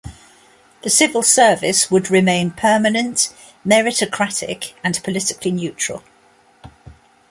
The civil service would remain permanent, meritocratic and politically neutral.